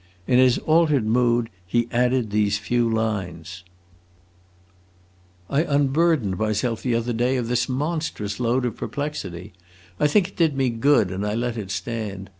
In his altered mood he added these few lines: "I unburdened myself the other day of this monstrous load of perplexity; I think it did me good, and I let it stand.